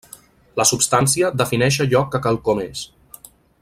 La substància defineix allò que quelcom és.